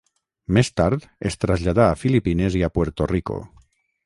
Més tard es traslladà a Filipines i a Puerto Rico.